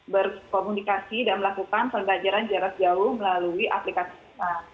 berkomunikasi dan melakukan pembelajaran jarak jauh melalui aplikasi kita